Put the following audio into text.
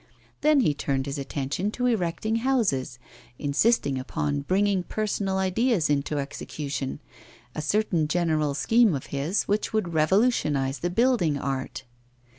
Then he turned his attention to erecting houses, insisting upon bringing personal ideas into execution, a certain general scheme of his which would revolutionise the building art.